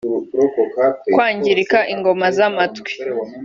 Kwangirika ingoma z’amatwi